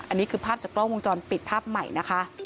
อันนี้คือภาพจากกล้องวงจรปิดภาพใหม่นะคะ